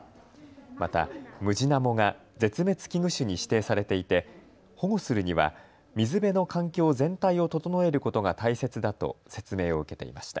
またムジナモが絶滅危惧種に指定されていて保護するには水辺の環境全体を整えることが大切だと説明を受けていました。